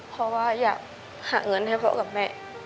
เพราะว่าอยากหาเงินให้พ่อกับแม่